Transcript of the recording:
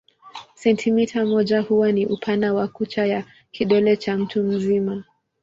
Sentimita moja huwa ni upana wa kucha ya kidole cha mtu mzima.